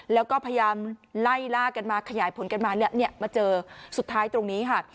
แล้วก็พยายามไล่ล่ากันมาขยายผลกันมาเนี่ยมาเจอสุดท้ายตรงนี้ค่ะ